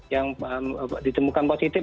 yang ditemukan positif